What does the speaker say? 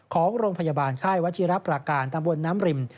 ของโรงพยาบาลค่ายวัชิระประการตำบลน้ำริม